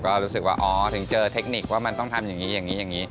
ก็รู้สึกว่าอ๋อถึงเจอเทคนิคว่ามันต้องทำอย่างนี้อย่างนี้